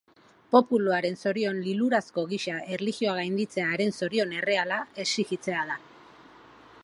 Populuaren zorion lilurazko gisa erlijioa gainditzea haren zorion erreala exigitzea da.